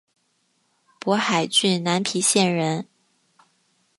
勃海郡南皮县人。